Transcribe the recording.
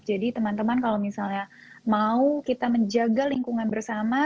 jadi teman teman kalau misalnya mau kita menjaga lingkungan bersama